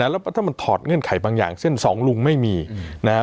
แล้วถ้ามันถอดเงื่อนไขบางอย่างเช่นสองลุงไม่มีนะครับ